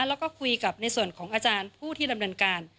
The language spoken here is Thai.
แล้วก็คุยกับในส่วนของอาจารย์ผู้ที่ดำเนินการ